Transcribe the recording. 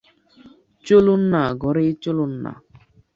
চলুন-না, ঘরেই চলুন-না!